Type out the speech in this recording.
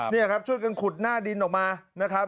นี่ครับช่วยกันขุดหน้าดินออกมานะครับ